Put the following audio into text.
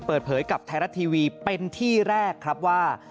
เปิดเผยกับไทยรัฐทีวีเป็นที่แรกครับว่า